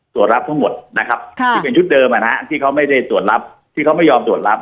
ตรวจรับทั้งหมดนะครับที่เป็นชุดเดิมที่เขาไม่ได้ตรวจรับที่เขาไม่ยอมตรวจรับ